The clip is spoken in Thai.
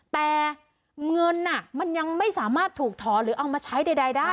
แต่เงินมันยังไม่สามารถถูกถอนหรือเอามาใช้ใดได้